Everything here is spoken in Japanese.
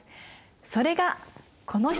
それがこの人！